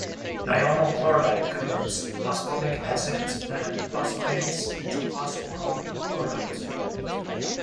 Thionyl chloride converts phosphonic acids and phosphonates into phosphoryl chlorides.